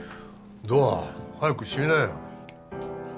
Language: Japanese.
ドア早く閉めなよ。